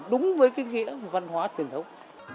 đúng với cái nghĩa văn hóa truyền thống